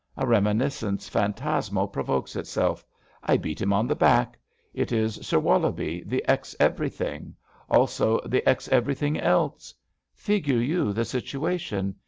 A reminiscence phantasmal provokes itself. I beat him on the back. It is Sir Wollobie; the ex EverythingI Also the ex Everything else ! Figure you the situation!